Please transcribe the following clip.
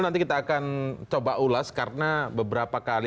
nanti kita akan coba ulas karena beberapa kali